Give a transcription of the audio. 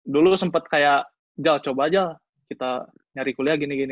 dulu sempet kayak jal coba aja kita nyari kuliah gini gini